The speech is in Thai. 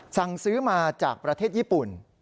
สั่งซื้อมาจากประเทศญี่ปุ่น